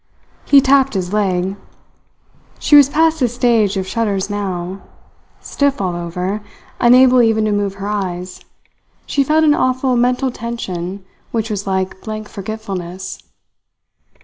He tapped his leg. She was past the stage of shudders now. Stiff all over, unable even to move her eyes, she felt an awful mental tension which was like blank forgetfulness.